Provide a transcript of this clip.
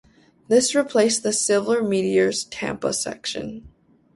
This replaced the "Silver Meteor's" Tampa section.